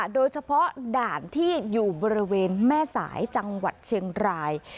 ด่านที่อยู่บริเวณแม่สายจังหวัดเชียงราย